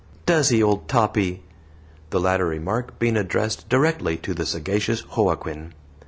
"Does he, old Toppy?" (the latter remark being addressed directly to the sagacious Joaquin).